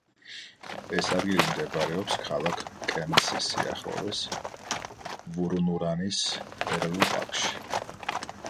ეს ადგილი მდებარეობს ქალაქ კერნსის სიახლოვეს, ვურუნურანის ეროვნული პარკში.